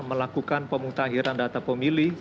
melakukan pemutakhiran data pemilih